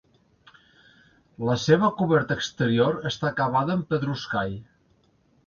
La seva coberta exterior està acabada amb pedruscall.